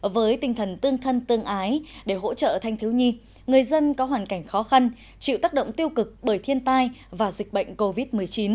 với tinh thần tương thân tương ái để hỗ trợ thanh thiếu nhi người dân có hoàn cảnh khó khăn chịu tác động tiêu cực bởi thiên tai và dịch bệnh covid một mươi chín